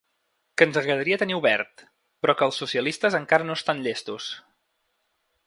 Que ens agradaria tenir obert, però que els socialistes encara no estant llestos.